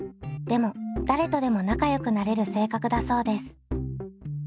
でも誰とでも仲よくなれる性格だそうです。